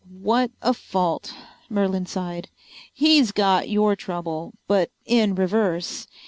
"What a fault," Merlin sighed. "He's got your trouble, but in reverse.